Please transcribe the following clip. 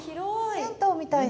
銭湯みたいな。